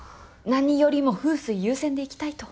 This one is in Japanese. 何よりも風水優先でいきたいと。